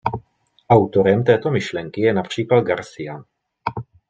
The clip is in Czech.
Autorem této myšlenky je například Garcia.